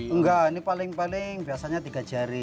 enggak ini paling paling biasanya tiga jari